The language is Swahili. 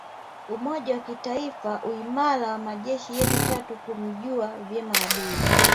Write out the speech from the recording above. Umoja wa kitaifa uimara wa majeshi yetu tatu kumjua vyema adui